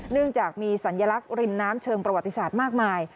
เนื่องจากมีสัญลักษณ์ริมน้ำเชิงประวัติศาสตร์มากมาย